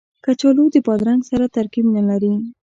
کچالو د بادرنګ سره ترکیب نه لري